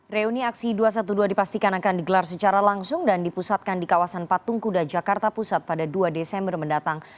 reuni aksi dua ratus dua belas dipastikan akan digelar secara langsung dan dipusatkan di kawasan patung kuda jakarta pusat pada dua desember mendatang